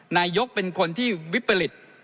นายกเป็นคนที่วิปริต